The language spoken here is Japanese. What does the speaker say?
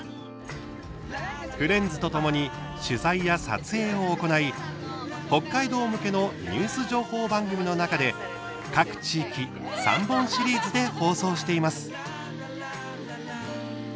フレンズとともに取材や撮影を行い北海道向けのニュース情報番組の中で各地域３本シリーズで放送しています。